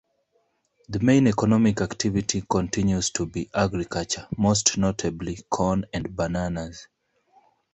The main economic activity continues to be agriculture, most notably corn and bananas.